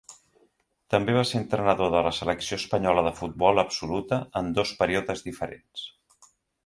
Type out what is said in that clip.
També va ser entrenador de la selecció espanyola de futbol absoluta en dos períodes diferents.